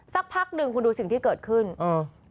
สักพักหนึ่งคุณดูสิ่งที่เกิดขึ้นอืม